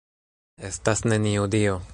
Estas neniu Dio!